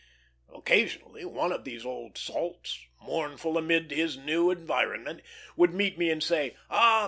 Occasionally one of these old salts, mournful amid his new environment, would meet me, and say, "Ah!